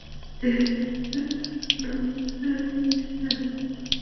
এই চিন্তাটায় উনার মাথায় গেঁড়ে আছে।